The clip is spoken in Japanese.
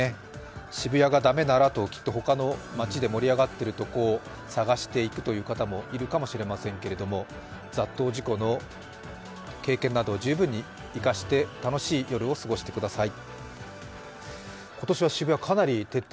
渋谷が駄目ならときっと他の街で盛り上がっているところを探していくという方もいるかもしれませんけれども、雑踏事故の経験など十分に生かして楽しい夜を過ごしてください。